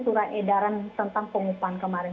surat edaran tentang pengupahan kemarin